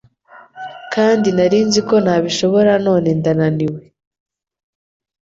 Kandi narinziko nabishobora none ndananiwe